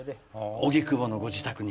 荻窪のご自宅に。